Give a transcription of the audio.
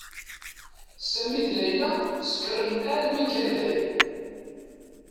Sami d Layla sekren almi kan dayen.